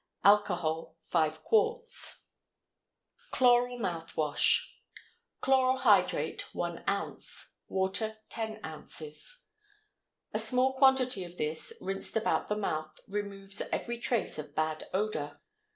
Alcohol 5 qts. CHLORAL MOUTH WASH. Chloral hydrate 1 oz. Water 10 oz. A small quantity of this, rinsed about the mouth, removes every trace of bad odor.